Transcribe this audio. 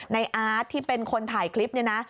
อาร์ตที่เป็นคนถ่ายคลิปเนี่ยนะ